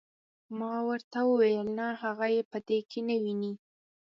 ما ورته وویل نه هغه یې په دې کې نه ویني.